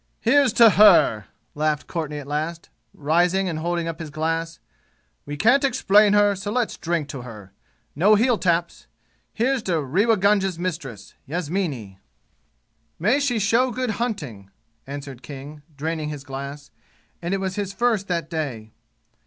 "Here's to her!" laughed Courtenay at last, rising and holding up his glass. "We can't explain her, so let's drink to her! No heel taps! Here's to Rewa Gunga's mistress, Yasmini!" "May she show good hunting!" answered King, draining his glass; and it was his first that day.